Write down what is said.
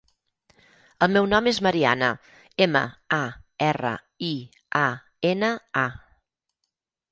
El meu nom és Mariana: ema, a, erra, i, a, ena, a.